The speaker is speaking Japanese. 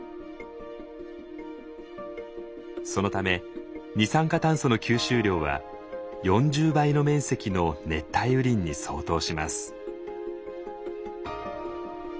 そのため二酸化炭素の吸収量は４０倍の面積の熱帯雨林に相当します。